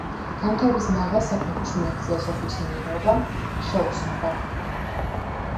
განვითარების მაღალ საფეხურს მიაღწია სოფლის მეურნეობამ, ხელოსნობამ.